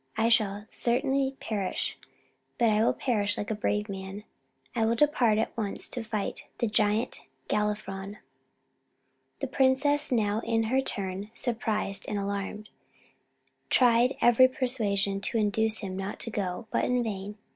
I shall certainly perish, but I will perish like a brave man. I will depart at once to fight the Giant Galifron." The princess, now in her turn surprised and alarmed, tried every persuasion to induce him not to go, but in vain.